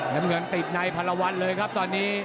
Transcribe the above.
น้ำเงินติดในพันละวันเลยครับตอนนี้